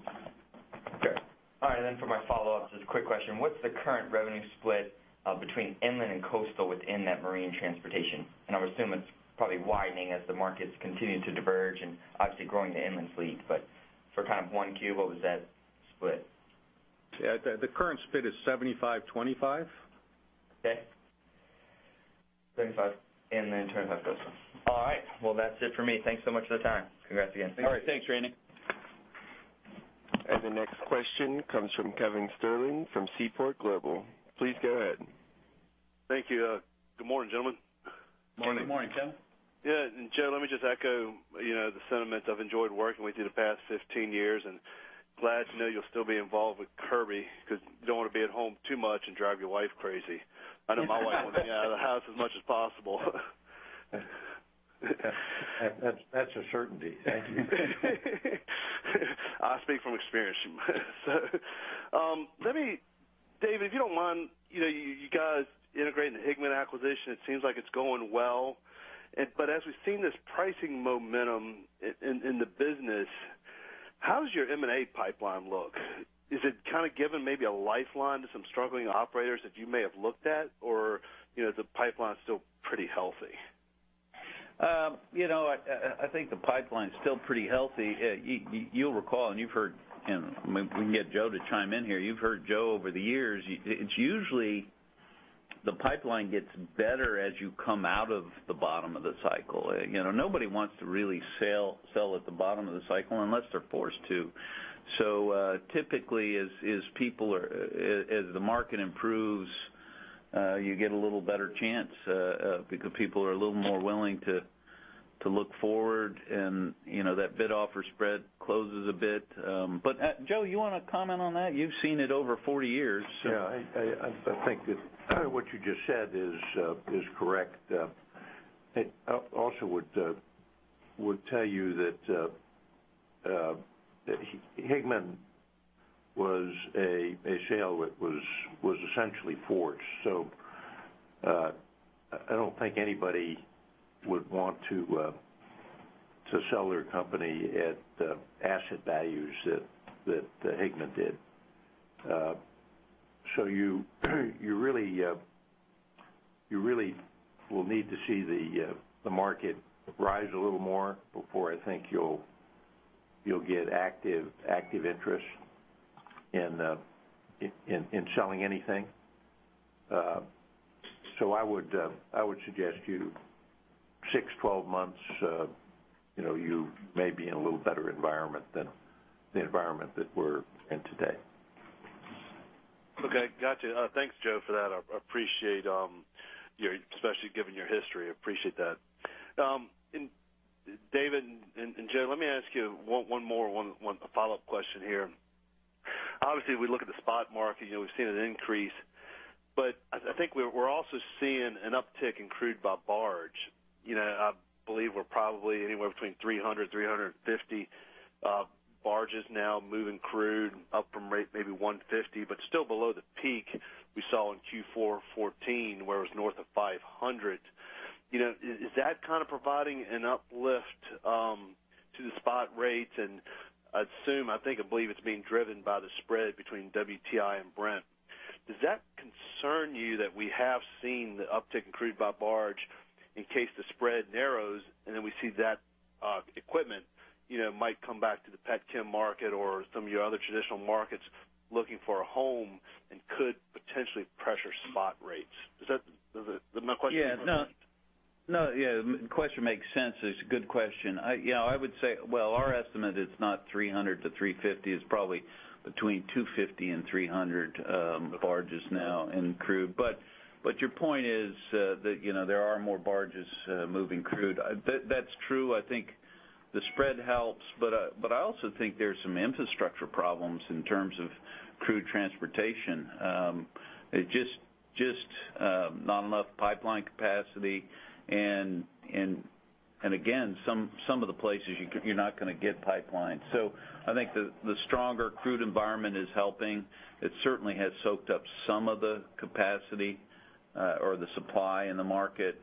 Okay. All right, then for my follow-up, just a quick question. What's the current revenue split between inland and coastal within that marine transportation? And I would assume it's probably widening as the markets continue to diverge and obviously growing the inland fleet, but for kind of one Q, what was that split? Yeah, the current split is 75-25. Okay. 75, inland, 25, coastal. All right. Well, that's it for me. Thanks so much for the time. Congrats again. All right. Thanks, Randy. The next question comes from Kevin Sterling from Seaport Global. Please go ahead. Thank you. Good morning, gentlemen. Good morning, Kevin. Good morning. Yeah, and Joe, let me just echo, you know, the sentiment. I've enjoyed working with you the past 15 years, and glad to know you'll still be involved with Kirby, because you don't want to be at home too much and drive your wife crazy. I know my wife wants me out of the house as much as possible. That's, that's a certainty. I speak from experience. So, let me, David, if you don't mind, you know, you guys integrating the Higman acquisition, it seems like it's going well. But as we've seen this pricing momentum in the business, how does your M&A pipeline look? Is it kind of given maybe a lifeline to some struggling operators that you may have looked at, or, you know, is the pipeline still pretty healthy?... You know, I think the pipeline's still pretty healthy. You'll recall, and you've heard, and maybe we can get Joe to chime in here. You've heard Joe over the years. It's usually the pipeline gets better as you come out of the bottom of the cycle. You know, nobody wants to really sell at the bottom of the cycle unless they're forced to. So, typically, as the market improves, you get a little better chance because people are a little more willing to look forward and, you know, that bid-offer spread closes a bit. But, Joe, you wanna comment on that? You've seen it over 40 years. Yeah, I think that what you just said is correct. I also would tell you that Higman was a sale that was essentially forged. So, I don't think anybody would want to sell their company at the asset values that Higman did. So you really will need to see the market rise a little more before I think you'll get active interest in selling anything. So I would suggest 6-12 months, you know, you may be in a little better environment than the environment that we're in today. Okay, got you. Thanks, Joe, for that. I appreciate your, especially given your history, I appreciate that. And David and Joe, let me ask you one more follow-up question here. Obviously, we look at the spot market, you know, we've seen an increase, but I think we're also seeing an uptick in crude by barge. You know, I believe we're probably anywhere between 300 and 350 barges now moving crude up from maybe 150, but still below the peak we saw in Q4 2014, where it was north of 500. You know, is that kind of providing an uplift to the spot rates? And I'd assume, I think, I believe it's being driven by the spread between WTI and Brent. Does that concern you, that we have seen the uptick in crude by barge in case the spread narrows, and then we see that, equipment, you know, might come back to the pet chem market or some of your other traditional markets looking for a home and could potentially pressure spot rates? Is that? Does that... My question? Yeah. No. No, yeah, the question makes sense. It's a good question. Yeah, I would say, well, our estimate is not 300 to 350. It's probably between 250 and 300 barges now in crude. But, but your point is, that, you know, there are more barges, moving crude. That, that's true. I think the spread helps, but, but I also think there's some infrastructure problems in terms of crude transportation. Just, just, not enough pipeline capacity. And, and, and again, some, some of the places you, you're not gonna get pipelines. So I think the, the stronger crude environment is helping. It certainly has soaked up some of the capacity, or the supply in the market.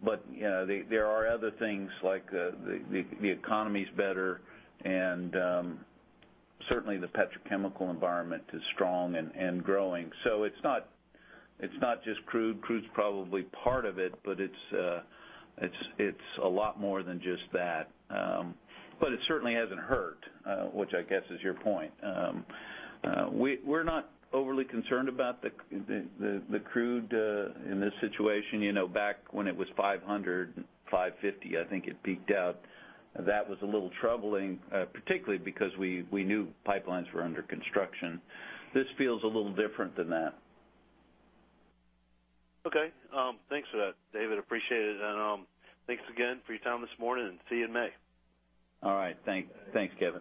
But, you know, there are other things like the economy's better, and certainly the petrochemical environment is strong and growing. So it's not just crude. Crude's probably part of it, but it's a lot more than just that. But it certainly hasn't hurt, which I guess is your point. We're not overly concerned about the crude in this situation. You know, back when it was 500, 550, I think it peaked out, that was a little troubling, particularly because we knew pipelines were under construction. This feels a little different than that. Okay. Thanks for that, David. Appreciate it. Thanks again for your time this morning, and see you in May. All right. Thanks, Kevin.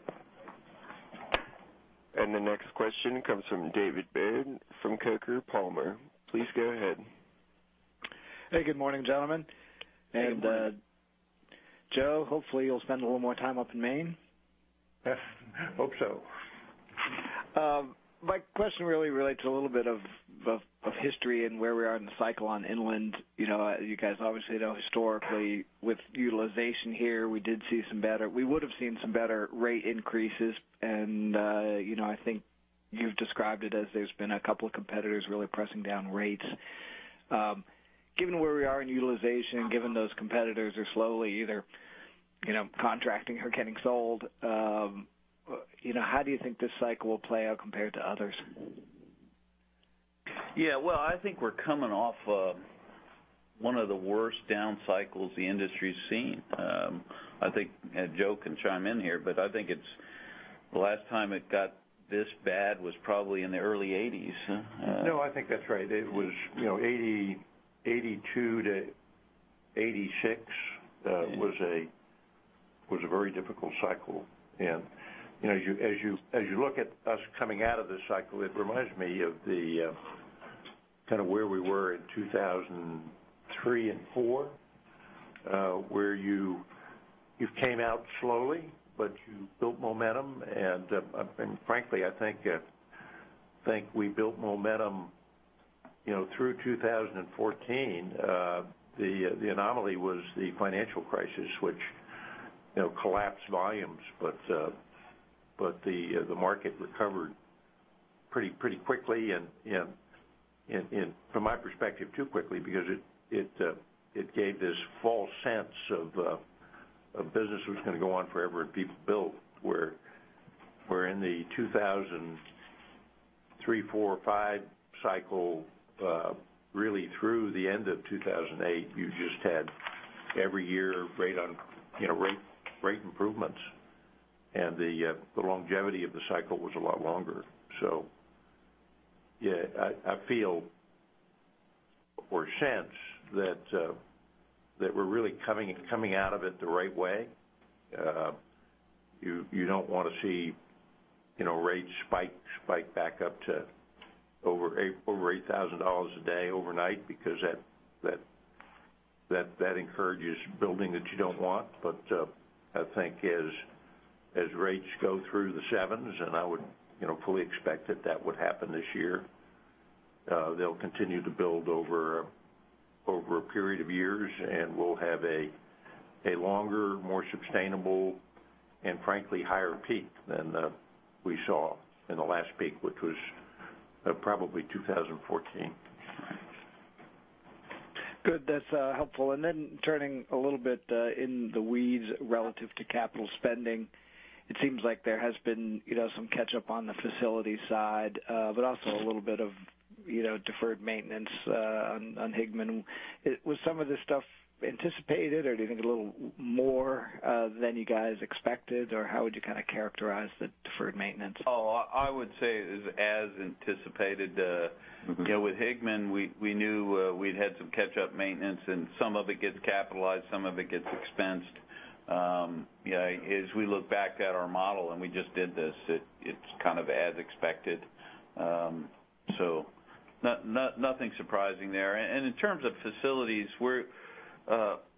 The next question comes from David Beard, from Coker & Palmer. Please go ahead. Hey, good morning, gentlemen. Good morning. Joe, hopefully, you'll spend a little more time up in Maine. Hope so. My question really relates a little bit of history and where we are in the cycle on inland. You know, as you guys obviously know, historically, with utilization here, we did see some better, we would have seen some better rate increases, and you know, I think you've described it as there's been a couple of competitors really pressing down rates. Given where we are in utilization, and given those competitors are slowly either, you know, contracting or getting sold, you know, how do you think this cycle will play out compared to others? Yeah, well, I think we're coming off one of the worst down cycles the industry's seen. I think, and Joe can chime in here, but I think it's the last time it got this bad was probably in the early eighties, huh? No, I think that's right. It was, you know, 1980, 1982 to 1986, was a very difficult cycle. And, you know, as you look at us coming out of this cycle, it reminds me of the kind of where we were in 2003 and 2004, where you came out slowly, but you built momentum, and, and frankly, I think we built momentum, you know, through 2014. The anomaly was the financial crisis, which, you know, collapsed volumes, but the market recovered.... pretty, pretty quickly, and from my perspective, too quickly, because it gave this false sense of business was gonna go on forever, and people built where in the 2003-2005 cycle, really through the end of 2008, you just had every year rate on, you know, rate, rate improvements. And the longevity of the cycle was a lot longer. So yeah, I feel or sense that we're really coming out of it the right way. You don't wanna see, you know, rates spike back up to over $8,000 a day overnight, because that encourages building that you don't want. But, I think as rates go through the sevens, and I would, you know, fully expect that that would happen this year, they'll continue to build over a period of years, and we'll have a longer, more sustainable and frankly, higher peak than we saw in the last peak, which was probably 2014. Good, that's helpful. And then turning a little bit in the weeds relative to capital spending. It seems like there has been, you know, some catch up on the facility side, but also a little bit of, you know, deferred maintenance on Higman. Was some of this stuff anticipated, or do you think a little more than you guys expected? Or how would you kind of characterize the deferred maintenance? Oh, I would say it is as anticipated. Mm-hmm. You know, with Higman, we knew we'd had some catch-up maintenance, and some of it gets capitalized, some of it gets expensed. You know, as we look back at our model, and we just did this, it's kind of as expected. So nothing surprising there. And in terms of facilities, we're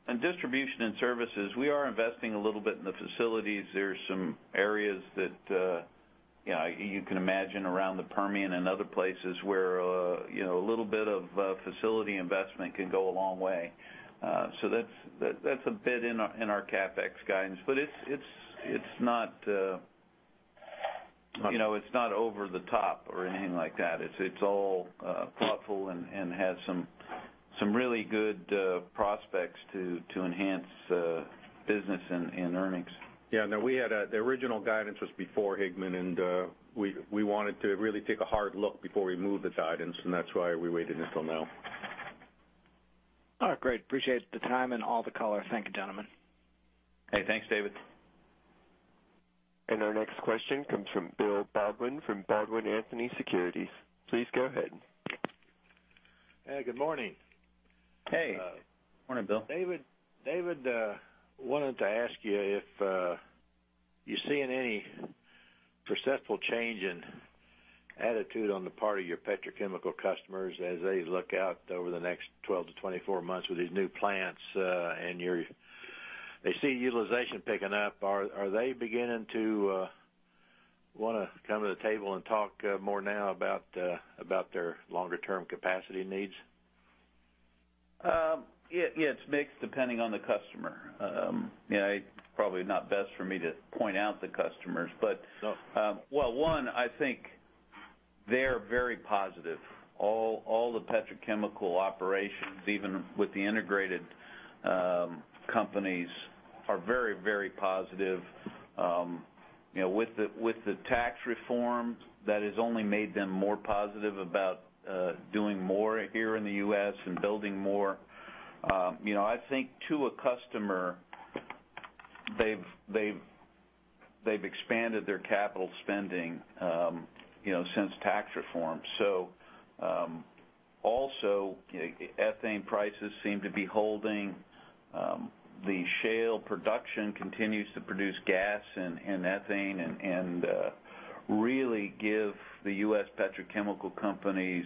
in distribution and services, we are investing a little bit in the facilities. There are some areas that you know, you can imagine around the Permian and other places where you know, a little bit of facility investment can go a long way. So that's a bit in our CapEx guidance, but it's not over the top or anything like that. It's all thoughtful and has some really good prospects to enhance business and earnings. Yeah, no, the original guidance was before Higman, and we wanted to really take a hard look before we moved the guidance, and that's why we waited until now. All right, great. Appreciate the time and all the color. Thank you, gentlemen. Hey, thanks, David. Our next question comes from Bill Baldwin from Baldwin Anthony Securities. Please go ahead. Hey, good morning. Hey. Morning, Bill. David, David, wanted to ask you if you're seeing any perceptible change in attitude on the part of your petrochemical customers as they look out over the next 12-24 months with these new plants, and they see utilization picking up. Are they beginning to wanna come to the table and talk more now about their longer-term capacity needs? Yeah, yeah, it's mixed, depending on the customer. You know, it's probably not best for me to point out the customers, but- Sure. Well, one, I think they're very positive. All the petrochemical operations, even with the integrated companies, are very, very positive. You know, with the tax reform, that has only made them more positive about doing more here in the US and building more. You know, I think to a customer, they've expanded their capital spending, you know, since tax reform. So, also, ethane prices seem to be holding. The shale production continues to produce gas and ethane and really give the US petrochemical companies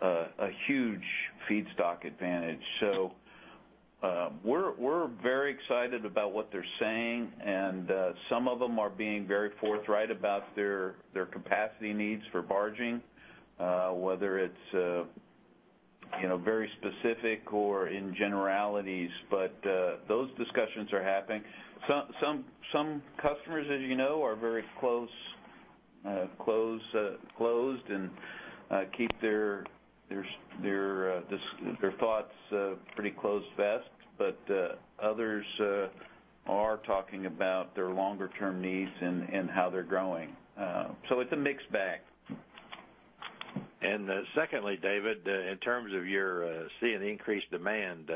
a huge feedstock advantage. So, we're very excited about what they're saying, and some of them are being very forthright about their capacity needs for barging, whether it's, you know, very specific or in generalities, but those discussions are happening. Some customers, as you know, are very close and keep their thoughts pretty close to the vest, but others are talking about their longer-term needs and how they're growing. So it's a mixed bag. And secondly, David, in terms of your seeing increased demand,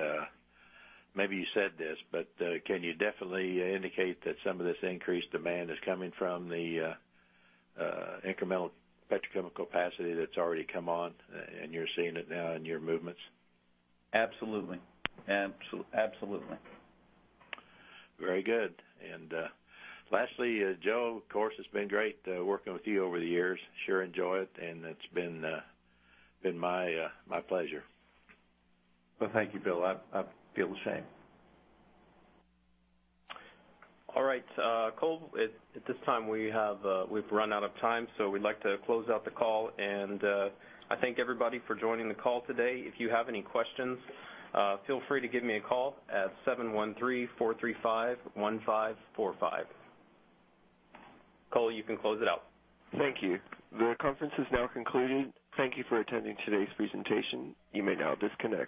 maybe you said this, but, can you definitely indicate that some of this increased demand is coming from the incremental petrochemical capacity that's already come on, and you're seeing it now in your movements? Absolutely. Very good. And, lastly, Joe, of course, it's been great, working with you over the years. Sure enjoy it, and it's been my pleasure. Well, thank you, Bill. I feel the same. All right, Cole, at this time, we have, we've run out of time, so we'd like to close out the call, and, I thank everybody for joining the call today. If you have any questions, feel free to give me a call at 713-435-1545. Cole, you can close it out. Thank you. The conference is now concluded. Thank you for attending today's presentation. You may now disconnect.